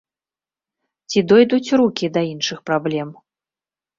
Ці дойдуць рукі да іншых праблем?